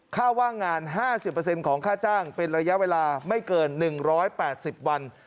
ค่าว่างงานห้าสิบเปอร์เซ็นต์ของค่าจ้างเป็นระยะเวลาไม่เกินหนึ่งร้อยแปดสิบวัน